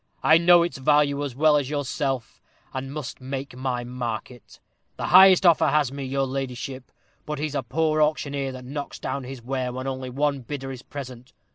I know its value as well as yourself, and must make my market. The highest offer has me, your ladyship; he's but a poor auctioneer that knocks down his ware when only one bidder is present.